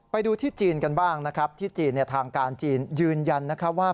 ไปดูที่จีนกันบ้างทางการจีนยืนยันว่า